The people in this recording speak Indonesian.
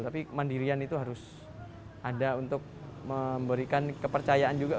tapi kemandirian itu harus ada untuk memberikan kepercayaan juga